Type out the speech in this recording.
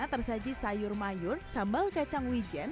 tersaji sayur mayur sambal kacang wijen